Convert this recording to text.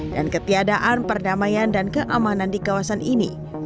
dan ketiadaan perdamaian dan keamanan di kawasan ini